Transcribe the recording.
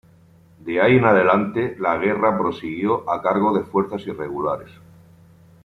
De ahí en adelante la guerra prosiguió a cargo de fuerzas irregulares.